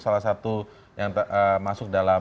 salah satu yang masuk dalam